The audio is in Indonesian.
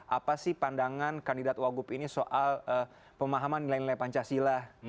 apa sih pandangan kandidat wagup ini soal pemahaman nilai nilai pancasila